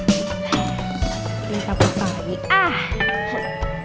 ini tak apa apa lagi